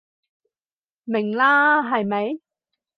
明啦係咪？